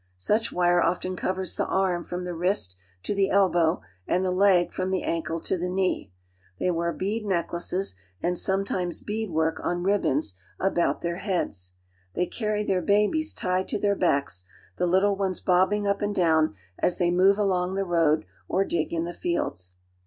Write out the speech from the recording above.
Such wire often covers the arm from the wrist to the elbow, and the leg from the ankle to the knee. They wear bead necklaces, and sometimes bead work on ribbons about their heads. They carry their babies tied to their backs, the little ones bobbing up and down as they move along the road or dig in the fields.